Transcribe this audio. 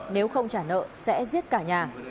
nếu không trả nợ sẽ giết cả nhà